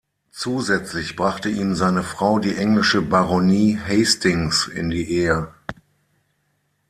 Zusätzlich brachte ihm seine Frau die englische Baronie Hastings in die Ehe.